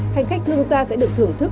hành khách thương gia sẽ được thưởng thức